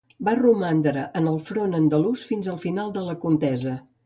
Va romandre en el front andalús fins al final de la contesa.